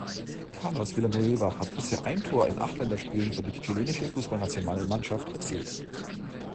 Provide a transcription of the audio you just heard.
Carlos Villanueva hat bisher ein Tor in acht Länderspielen für die Chilenische Fußballnationalmannschaft erzielt.